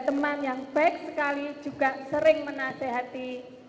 teman yang baik sekali juga sering menasehati